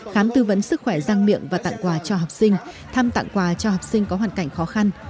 khám tư vấn sức khỏe giang miệng và tặng quà cho học sinh thăm tặng quà cho học sinh có hoàn cảnh khó khăn